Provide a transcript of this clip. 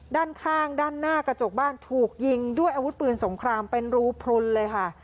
ด้านข้างด้านหน้ากระจกบ้านถูกยิงด้วยอาวุธปืนสงครามเป็นรูพลุนเลยค่ะ